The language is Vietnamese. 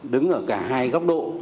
đứng ở cả hai góc độ